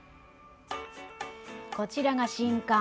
こちらが新館。